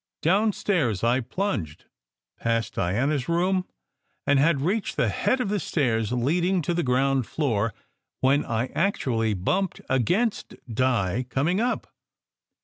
Downstairs I plunged, passed Diana s room, and had reached the head of the stairs leading to the ground floor when I actually bumped against Di coming up.